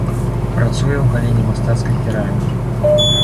Працуе ў галіне мастацкай керамікі.